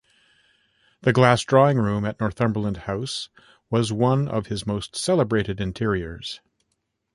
The Glass Drawing Room at Northumberland House was one of his most celebrated interiors.